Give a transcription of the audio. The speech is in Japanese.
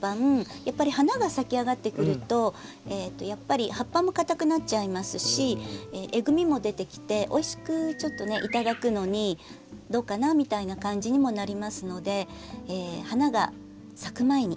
やっぱり花が咲きあがってくるとやっぱり葉っぱも硬くなっちゃいますしえぐみも出てきておいしくいただくのにどうかなみたいな感じにもなりますので花が咲く前に。